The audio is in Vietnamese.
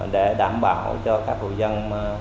để đảm bảo cho các hộ dân